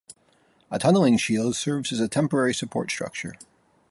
A tunnelling shield serves as a temporary support structure.